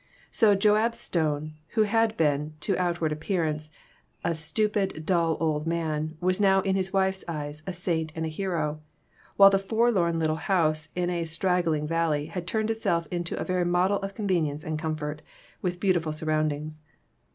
So Joab Stone, who had been, to outward appearance, a stupid, dull old man, was now, in his wife's eyes, a saint and a hero ; while the forlorn little house in a straggling village had turned itself into a very model of convenience and comfort, with beautiful surroundings.